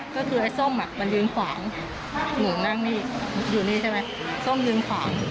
ก็คือไอ้ส้มมันยืนขวางหนูนั่งนี่อยู่นี่ใช่ไหมส้มยืนขวาง